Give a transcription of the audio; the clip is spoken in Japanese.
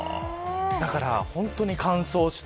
だから、本当に乾燥して